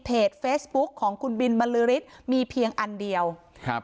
เพจเฟซบุ๊กของคุณบินบริษฐ์มีเพียงอันเดียวครับ